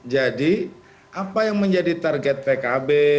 jadi apa yang menjadi target pkb